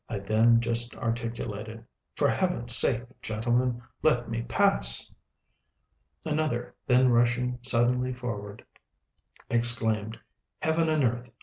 I then just articulated, "For Heaven's sake, gentlemen, let me pass!" Another, then rushing suddenly forward, exclaimed, "Heaven and earth!